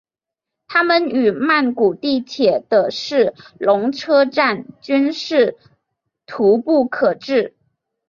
它们与曼谷地铁的是隆车站均是徙步可至。